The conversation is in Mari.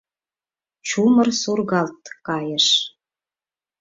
Чумыр сургалт кайыш...